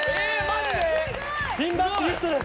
ピンバッジゲットです！